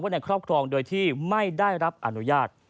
ในครอบครองโดยที่ไม่ได้รับอนุญาต